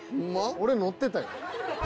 俺乗ってたよ。